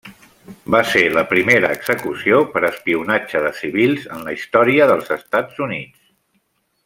Va ser la primera execució per espionatge de civils en la història dels Estats Units.